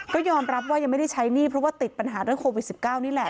ก็ยอมรับว่ายังไม่ได้ใช้หนี้เพราะว่าติดปัญหาเรื่องโควิด๑๙นี่แหละ